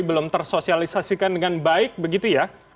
belum tersosialisasikan dengan baik begitu ya